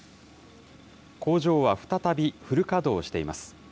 工場は再びフル稼働しています。